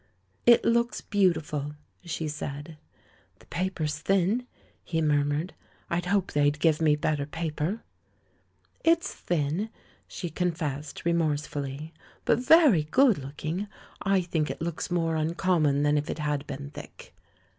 "It looks beautiful," she said. "The paper's thin," he murmured; "I hoped they'd give me better paper." "It's thin," she confessed, remorsefully, *'but THE LAURELS AND THE LADY 139 very good looking. I think it looks more un common than if it had been thick."